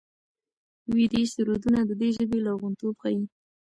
ویدي سرودونه د دې ژبې لرغونتوب ښيي.